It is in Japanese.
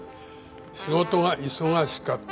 仕事が忙しかった。